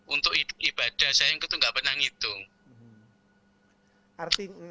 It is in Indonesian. untuk ibadah saya itu nggak pernah ngitung